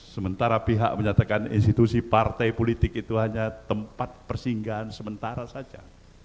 sementara pihak menyatakan institusi partai politik itu hanya tempat persinggahan sementara saja